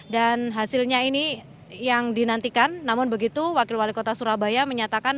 dan hasilnya ini yang dinantikan namun begitu wakil wali kota surabaya menyatakan